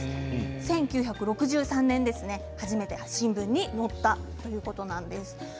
１９６３年、初めて新聞に載ったということです。